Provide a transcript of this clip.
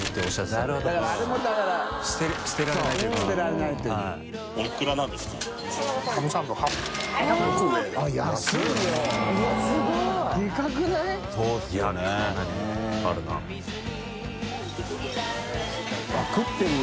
あっ食ってるんだ。